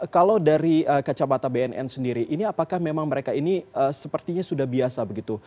kalau dari kacamata bnn sendiri ini apakah memang mereka ini sepertinya sudah biasa begitu